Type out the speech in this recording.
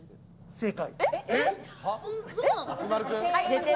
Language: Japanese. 正解。